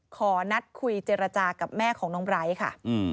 ขอนัดคุยเจรจากับแม่ของน้องไบร์ทค่ะ